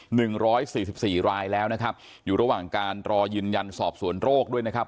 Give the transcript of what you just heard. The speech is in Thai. หนึ่งร้อยสี่สิบสี่รายแล้วนะครับอยู่ระหว่างการรอยืนยันสอบสวนโรคด้วยนะครับ